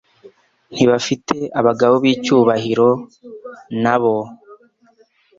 Ntibafite abagabo b'icyubahiro nabo